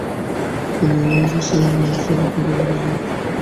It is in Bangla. তিনি এলিয়েজার শোচাতকে বিবাহ করেছিলেন।